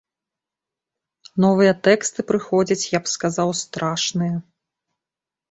Новыя тэксты прыходзяць, я б сказаў, страшныя.